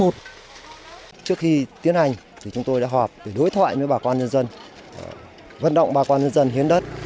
trước khi tiến hành thì chúng tôi đã họp đối thoại với bà con nhân dân vận động bà con nhân dân hiến đất